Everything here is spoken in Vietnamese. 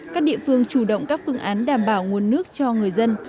các địa phương chủ động các phương án đảm bảo nguồn nước cho người dân